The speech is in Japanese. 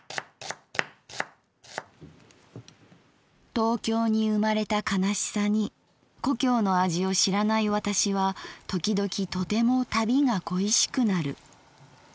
「東京に生まれた悲しさに故郷の味を知らない私はときどきとても旅が恋しくなる。